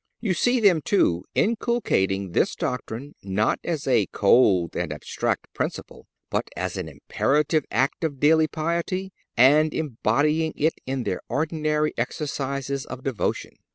You see them, too, inculcating this doctrine not as a cold and abstract principle, but as an imperative act of daily piety, and embodying it in their ordinary exercises of devotion.